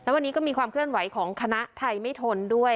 วันนี้ก็มีความเคลื่อนไหวของคณะไทยไม่ทนด้วย